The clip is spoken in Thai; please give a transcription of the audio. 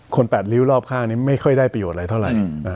๘ริ้วรอบข้างนี้ไม่ค่อยได้ประโยชน์อะไรเท่าไหร่